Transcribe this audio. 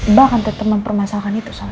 mbak akan tetap mempermasalkan itu soalnya